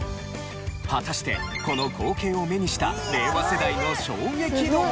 果たしてこの光景を目にした令和世代の衝撃度は。